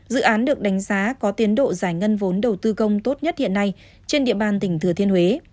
dự án được đánh giá có tiến độ giải ngân vốn đầu tư công tốt nhất hiện nay trên địa bàn tỉnh thừa thiên huế